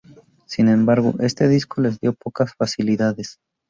Sin embargo, este disco les dio pocas facilidades.